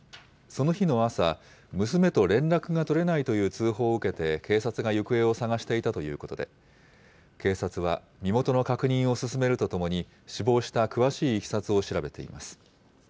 その日の朝、娘と連絡が取れないという通報を受けて警察が行方を捜していたということで、警察は、身元の確認を進めるとともに、死亡した詳しいいきさつを調べています。